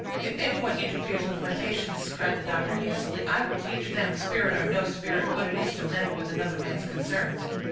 "If anyone interferes with my patients," cried the doctor, hastily, "I will teach them, spirit or no spirit, what it is to meddle with another man's concerns."